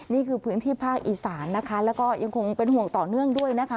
นี่คือพื้นที่ภาคอีสานนะคะแล้วก็ยังคงเป็นห่วงต่อเนื่องด้วยนะคะ